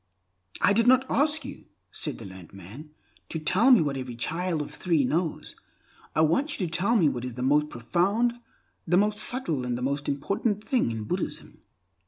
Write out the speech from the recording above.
"I did not ask you," said the learned man, "to tell me what every child of three knows. I want you to tell me what is the most profound, the most subtle, and the most important thing in Buddhism."